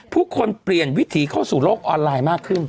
ผู้คนเปลี่ยนวิถีเข้าสู่โลกออนไลน์มากขึ้น